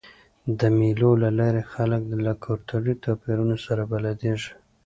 د مېلو له لاري خلک له کلتوري توپیرونو سره بلدیږي.